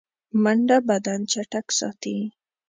منډه بدن چټک ساتي